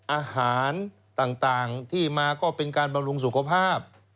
อาหารต่างที่มาก็เป็นการบำรุงสุขภาพ